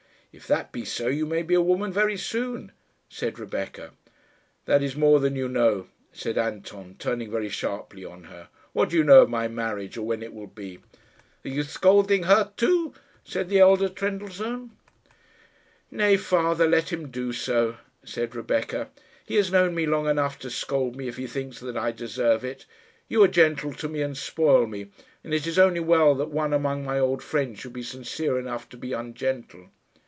"If that be so, you may be a woman very soon," said Rebecca. "That is more than you know," said Anton, turning very sharply on her. "What do you know of my marriage, or when it will be?" "Are you scolding her too?" said the elder Trendellsohn. "Nay, father; let him do so," said Rebecca. "He has known me long enough to scold me if he thinks that I deserve it. You are gentle to me and spoil me, and it is only well that one among my old friends should be sincere enough to be ungentle."